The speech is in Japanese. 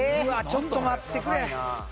ちょっと待ってくれ。